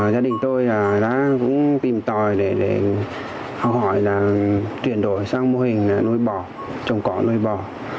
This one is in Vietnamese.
gia đình tôi đã cũng tìm tòi để học hỏi là chuyển đổi sang mô hình nuôi bò trồng cỏ nuôi bò